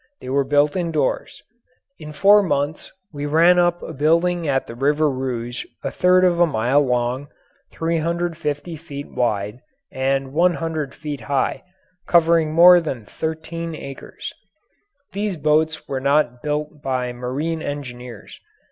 They were built indoors. In four months we ran up a building at the River Rouge a third of a mile long, 350 feet wide, and 100 feet high, covering more than thirteen acres. These boats were not built by marine engineers.